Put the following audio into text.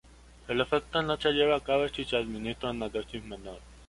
El efecto no se lleva a cabo si se administra una dosis menor.